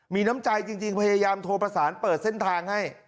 มีน้ำใจจริงมีพัยยามโทรถภาษาเปิดเส้นทางให้